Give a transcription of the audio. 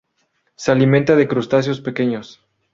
Se alimenta de crustáceos pequeños.